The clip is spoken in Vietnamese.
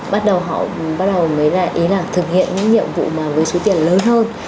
bắt đầu họ mới lại ý là thực hiện những nhiệm vụ mà với số tiền lớn hơn